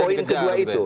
itu poin kedua itu